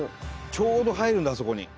ちょうど入るんだあそこに。